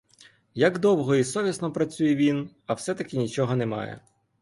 Як довго і як совісно працює він, а все таки нічого немає.